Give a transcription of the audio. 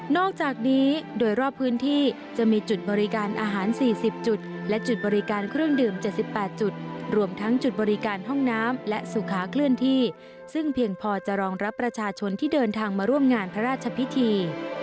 อกจากนี้โดยรอบพื้นที่จะมีจุดบริการอาหาร๔๐จุดและจุดบริการเครื่องดื่ม๗๘จุดรวมทั้งจุดบริการห้องน้ำและสุขาเคลื่อนที่ซึ่งเพียงพอจะรองรับประชาชนที่เดินทางมาร่วมงานพระราชพิธี